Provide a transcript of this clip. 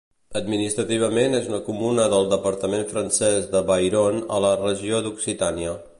Administrativament és una comuna del departament francès de l'Avairon, a la regió d'Occitània.